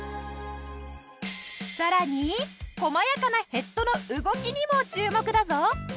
さらに細やかなヘッドの動きにも注目だぞ。